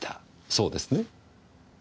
そうですね？